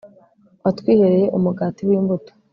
watwihereye, umugati w'imbuto